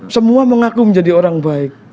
semua mengaku menjadi orang baik